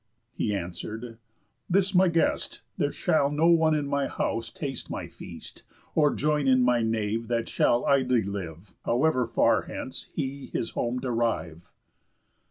He answer'd: "This my guest. There shall no one in my house taste my feast, Or join in my nave, that shall idly live, However far hence he his home derive."